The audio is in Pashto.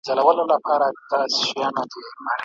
رباب به وي ترنګ به پردی وي آدم خان به نه وي